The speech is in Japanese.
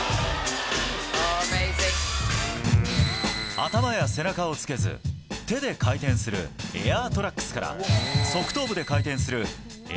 頭や背中をつけず手で回転するエアートラックスから側頭部で回転するＡ